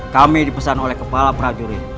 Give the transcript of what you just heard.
kami di pesan oleh kepala prajurit